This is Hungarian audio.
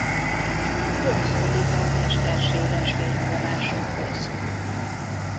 Vonzódik a mesterséges fényforrásokhoz.